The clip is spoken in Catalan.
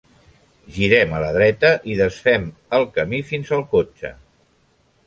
Girem a la dreta i desfem el camí fins al cotxe.